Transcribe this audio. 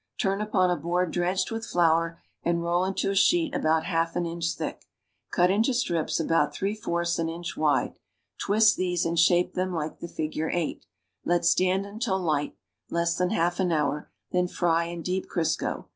Turn upon a board dredged with flour and roU into a sheet about half an inch thick; cut into strips about three fourths an inch wide; twist these and shape them like the figure 8. Let stand until light (less than half an hour) then fry in deep Crisco.